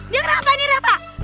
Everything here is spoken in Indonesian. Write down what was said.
dia kena apaan nih reva